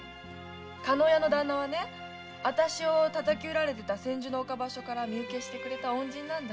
加納屋の旦那はねあたしを叩き売られた千住の岡場所から身請けしてくれた恩人なんだ。